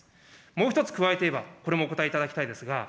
もう１つ加えて言えば、これもお答えいただきたいですが。